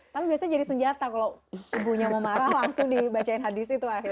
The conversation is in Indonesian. tapi biasanya jadi senjata kalau ibunya mau marah langsung dibacain hadis itu akhirnya